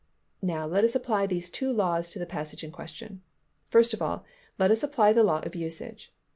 Now let us apply these two laws to the passage in question. First of all, let us apply the law of usage.